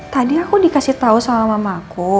tade aku dikasih tau sama mama aku